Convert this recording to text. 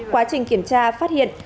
quá trình kiểm tra phát hiện